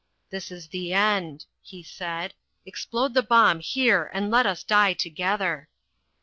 "This is the end," he said. "Explode the bomb here and let us die together."